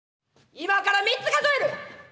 今から３つ数える！